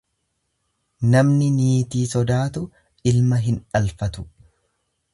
Namni niitii sodaatu ilma hin dhalfatu.